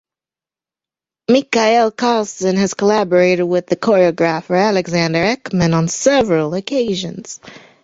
Mikael Karlsson has collaborated with the choreographer Alexander Ekman on several occasions.